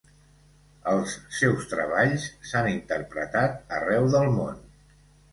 Els seus treballs s'han interpretat arreu del món.